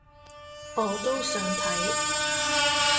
我都想睇